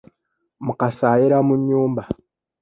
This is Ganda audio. Mukasa ayera mu nnyumba.